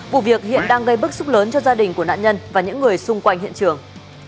vụ việc hiện đang gây bức xúc lớn cho gia đình của nạn nhân và những người xung quanh hiện trường